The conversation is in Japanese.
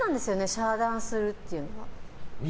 遮断するっていう。